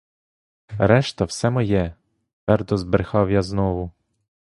Решта все моє, — твердо збрехав я знову.